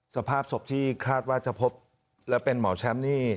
สภาพศพที่คาดว่าจะพบและเป็นหมอแชมป์นี่